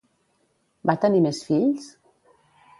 Va tenir més fills?